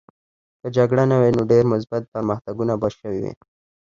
که جګړه نه وای نو ډېر مثبت پرمختګونه به شوي وای